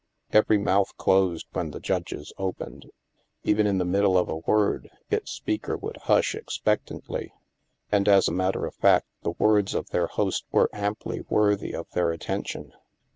Every mouth closed when the Judge's opened. Even in the middle of a word, its speaker would hush expectantly. And, as a matter of fact, the words of their host were amply worthy of their attention.